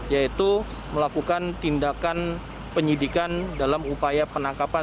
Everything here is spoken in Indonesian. yaitu melakukan tindakan penyidikan dalam upaya penangkapan